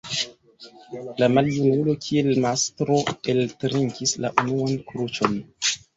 La maljunulo, kiel mastro, eltrinkis la unuan kruĉon.